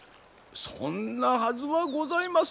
そんなはずはございますまい。